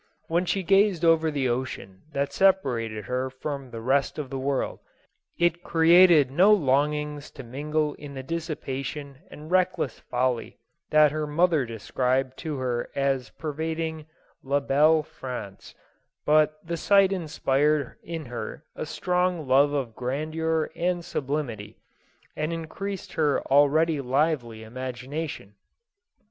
When she gazed over the ocean that separated her from the rest of the world, it created no longings to mingle in the dissipation and reckless folly that her mother described to her as pervading la belle France, but the sight in spired in her a strong love of grandeur and sublimity, and increased her already lively imagination. JOSEPHINE.